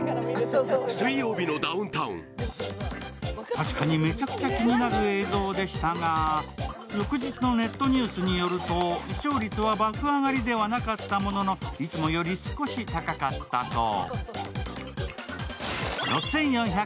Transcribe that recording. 確かにめちゃくちゃ気になる映像でしたが、翌日のネットニュースによると、視聴率は爆上がりではなかったものの、いつもより少し高かったそう。